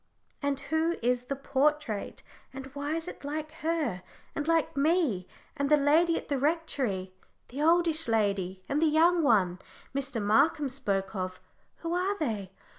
"And who is the portrait? and why is it like her, and like me? And the lady at the Rectory the oldish lady, and the young one Mr. Markham spoke of who are they?